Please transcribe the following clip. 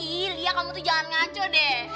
ih lia kamu tuh jangan ngaco deh